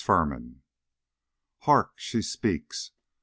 FIRMAN. Hark! she speaks.